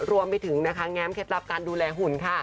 รวมไปถึงนะคะแง้มเคล็ดลับการดูแลหุ่นค่ะ